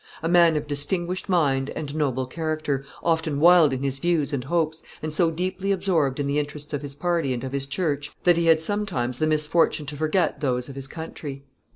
A man of distinguished mind and noble character, often wild in his views and hopes, and so deeply absorbed in the interests of his party and of his church, that he had sometimes the misfortune to forget those of his country.